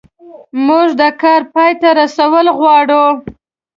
موږ د کار پای ته رسول غواړو.